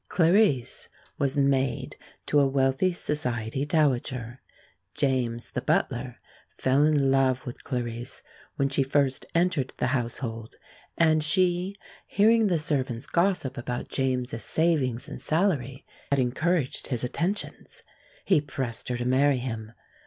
Clarice was maid to a wealthy society dowager. James the butler fell in love with Clarice when she first entered the household, and she, hearing the servants' gossip about James's savings and salary, had encouraged his attentions. He pressed her to marry him.